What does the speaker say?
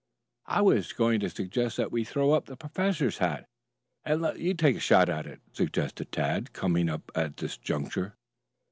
"I was going to suggest that we throw up the professor's hat and let you take a shot at it," suggested Tad, coming up at this juncture.